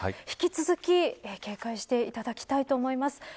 引き続き警戒していただきたいと思います。